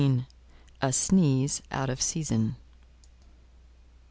A SNEEZE OUT OF SEASON.